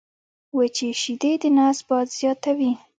وچي شیدې د نس باد زیاتوي.